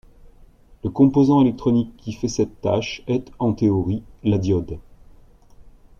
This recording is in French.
Le composant électronique qui fait cette tâche est, en théorie, la diode.